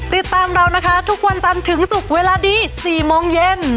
ติดตามเรานะคะทุกวันจันทร์ถึงศุกร์เวลาดี๔โมงเย็น